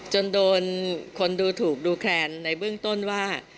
จนโดนคนดูถูกดูแคลนในเบื้องต้นว่า